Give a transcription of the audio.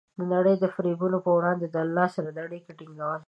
د نړۍ د فریبونو په وړاندې د الله سره د اړیکو ټینګول.